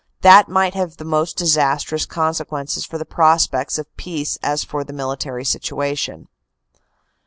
That might have the most disastrous consequences for the prospects of peace as for the military situation.